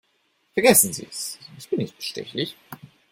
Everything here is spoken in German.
Vergessen Sie es, ich bin nicht bestechlich.